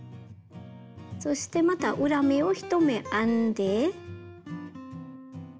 そしてまた裏目を１目編んで。